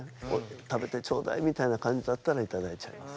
「食べてちょうだい」みたいな感じだったらいただいちゃいます。